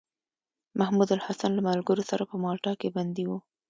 محمودالحسن له ملګرو سره په مالټا کې بندي و.